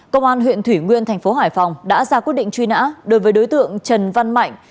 công an huyện thủy nguyên thành phố hải phòng đã ra quyết định truy nã đối với đối tượng trần văn mạnh